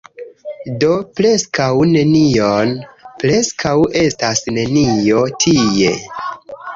Do preskaŭ nenion... preskaŭ estas nenio tie.